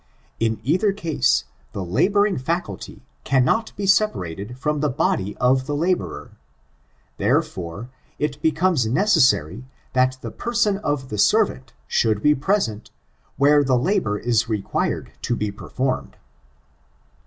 In either case the laboring faculty cannot be separated from the body of the laborer ; therefore, it becomes neces sary that the person of the servant should be present where the labor is required to be performed.